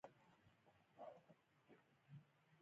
ښوروا د زړه درد کموي.